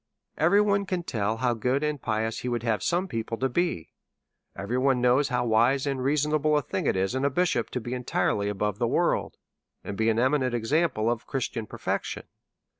Every one can tell how good and pious he would have some people to be ; everyone knows how wise and reasonable a thing it is in a bishop to be entirely above the world, and be an I 114 A SERIOUS CALL TO A example of Christian perfection.